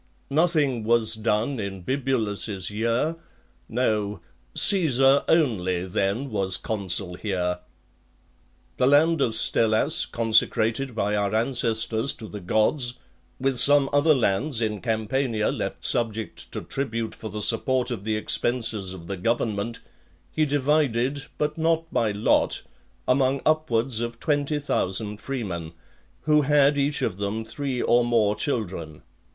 Nothing was done in Bibulus's year: No; Caesar only then was consul here. (14) The land of Stellas, consecrated by our ancestors to the gods, with some other lands in Campania left subject to tribute, for the support of the expenses of the government, he divided, but not by lot, among upwards of twenty thousand freemen, who had each of them three or more children.